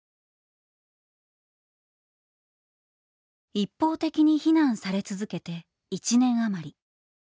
一方的に非難され続けて１年余り。